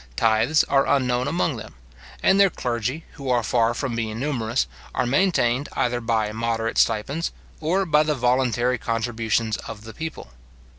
Tithes are unknown among them; and their clergy, who are far from being numerous, are maintained either by moderate stipends, or by the voluntary contributions of the people.